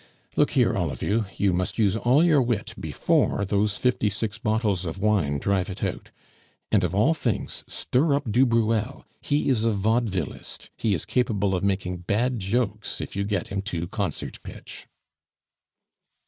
"Look here, all of you, you must use all your wit before those fifty six bottles of wine drive it out. And, of all things, stir up du Bruel; he is a vaudevillist, he is capable of making bad jokes if you get him to concert pitch."